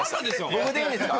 僕でいいんですか？